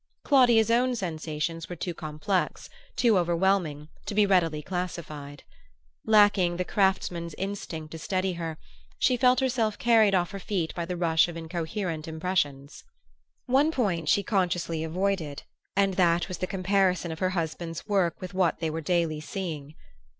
Claudia's own sensations were too complex, too overwhelming, to be readily classified. Lacking the craftsman's instinct to steady her, she felt herself carried off her feet by the rush of incoherent impressions. One point she consciously avoided, and that was the comparison of her husband's work with what they were daily seeing.